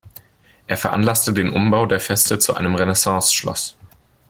Er veranlasste den Umbau der Feste zu einem Renaissanceschloss.